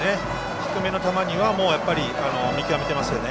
低めの球には見極めてますよね。